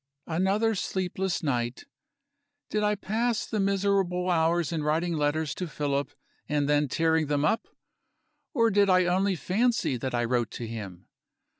....... Another sleepless night. Did I pass the miserable hours in writing letters to Philip and then tearing them up? Or did I only fancy that I wrote to him?